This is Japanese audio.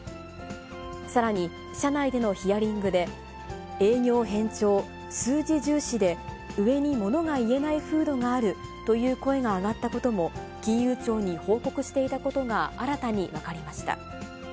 さらに、社内でのヒアリングで、営業偏重、数字重視で、上にものが言えない風土があるという声が上がったことも金融庁に報告していたことが新たに分かりました。